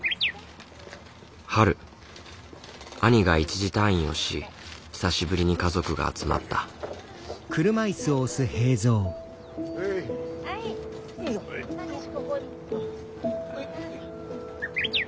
春兄が一時退院をし久しぶりに家族が集まった武志ここに。